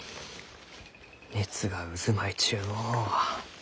熱が渦巻いちゅうのう。